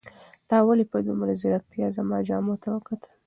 تا ولې په دومره ځیرکتیا زما جامو ته وکتل؟